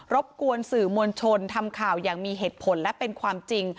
บกวนสื่อมวลชนทำข่าวอย่างมีเหตุผลและเป็นความจริง